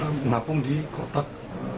menapung di kotak